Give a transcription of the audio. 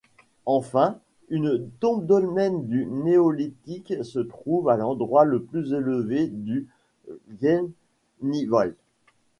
Enfin, une tombe-dolmen du Néolithique se trouve à l'endroit le plus élevé du Gmeiniwald.